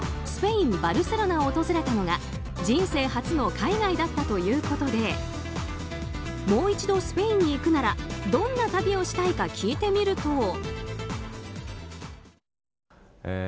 スペイン・バルセロナを訪れたのが人生初の海外だったということでもう一度スペインに行くならどんな旅をしたいか聞いてみると。